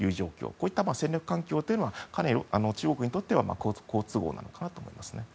こういった戦略環境というのは中国にとっては好都合なのかなと思います。